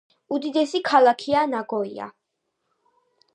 უდიდესი ქალაქია ნაგოია.